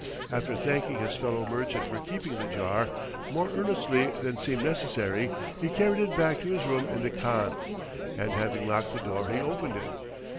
After thanking his fellow merchant for keeping the jar, more earnestly than seemed necessary, he carried it back to his room in the khan, and having locked the door he opened it.